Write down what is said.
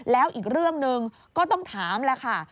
แล้วอีกเรื่องหนึ่งก็ต้องถามแล้วค่ะ